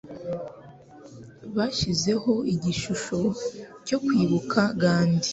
Bashizeho igishusho cyo kwibuka Gandhi.